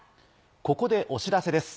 ここでお知らせです。